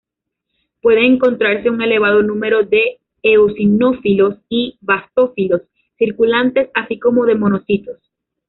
Puede encontrarse un elevado número de eosinófilos y basófilos circulantes así como de monocitos.